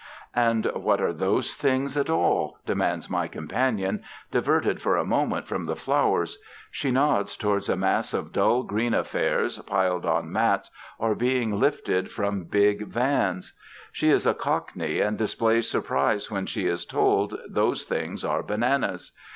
"And what are those things at all?" demands my companion, diverted for a moment from the flowers. She nods towards a mass of dull green affairs piled on mats or being lifted from big vans. She is a Cockney and displays surprise when she is told those things are bananas.